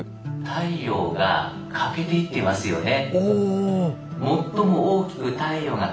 太陽が欠けていってますよね。